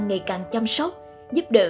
ngày càng chăm sóc giúp đỡ